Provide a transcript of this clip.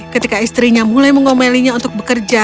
ketika istrinya mulai mengomelinya untuk bekerja